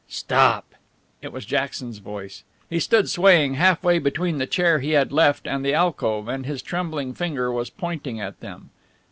"Stop!" it was Jackson's voice. He stood swaying half way between the chair he had left and the alcove, and his trembling finger was pointing at them.